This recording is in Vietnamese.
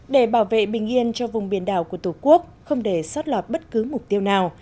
để bảo vệ bình yên cho vùng biển đảo của tổ quốc không để sót lọt bất cứ mục tiêu nào